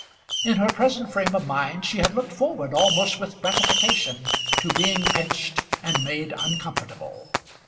In her present frame of mind she had looked forward almost with gratification to being pinched and made uncomfortable.